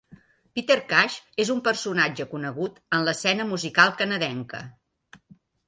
Peter Cash és un personatge conegut en l'escena musical canadenca.